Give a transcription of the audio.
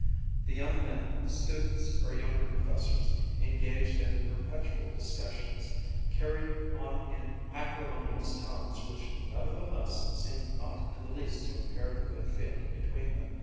The young men, students or younger professors, engaged in perpetual discussions, carried on in acrimonious tones which nevertheless seemed not in the least to impair the good feeling between them.